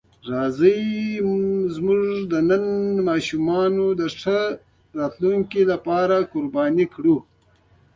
راځئ زموږ نن د ماشومانو د ښه راتلونکي لپاره قرباني کړو.